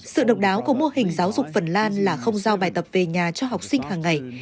sự độc đáo của mô hình giáo dục phần lan là không giao bài tập về nhà cho học sinh hàng ngày